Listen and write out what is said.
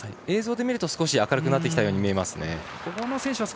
映像で見ると少し明るくなってきているように見えますね。